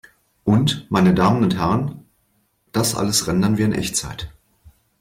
Und, meine Damen und Herren, das alles rendern wir in Echtzeit!